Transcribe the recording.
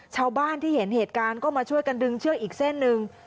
ชาวบ้านที่เห็นเหตุการณ์ก็มาช่วยกันดึงเชือกอีกเส้นหนึ่ง